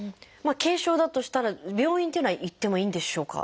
軽症だとしたら病院っていうのは行ってもいいんでしょうか？